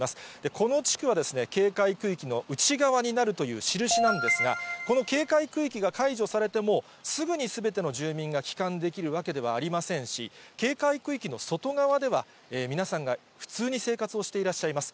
この地区は、警戒区域の内側になるという印なんですが、この警戒区域が解除されても、すぐにすべての住民が帰還できるわけではありませんし、警戒区域の外側では、皆さんが普通に生活をしていらっしゃいます。